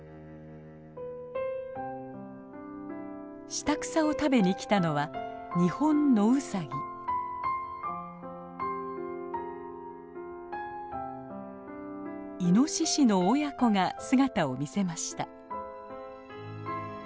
下草を食べにきたのはイノシシの親子が姿を見せました。